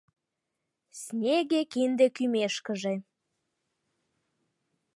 Снеге кинде кӱмешкыже